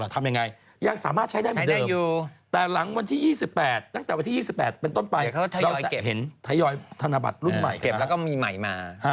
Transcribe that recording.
แต่หลังวันที่๒๘เป็นต้นไปเราจะเห็นถยอยธนาบัตรรุ่นใหม่